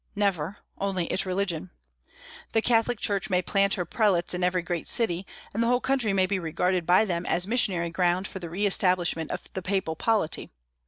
Never, only its religion. The Catholic Church may plant her prelates in every great city, and the whole country may be regarded by them as missionary ground for the re establishment of the papal polity.